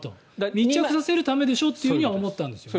密着させるためでしょと思ったんですね。